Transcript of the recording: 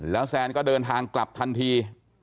แล้วแซนก็เดินทางกลับทันที